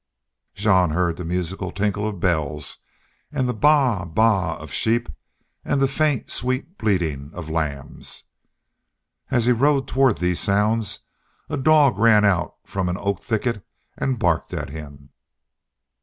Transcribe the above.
Jean heard the musical tinkle of bells and the baa baa of sheep and the faint, sweet bleating of lambs. As he road toward these sounds a dog ran out from an oak thicket and barked at him.